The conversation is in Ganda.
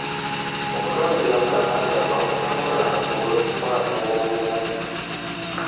Okunoonyereza kulaga nti akawuka ka kolona kasobola okukwata obwongo bw'omuntu.